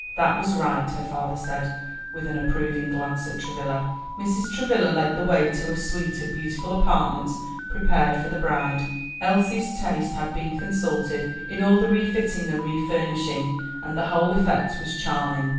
"That was right," her father said, with an approving glance at Travilla. Mrs. Travilla led the way to a suite of beautiful apartments prepared for the bride. Elsie's taste had been consulted in all the refitting and refurnishing, and the whole effect was charming.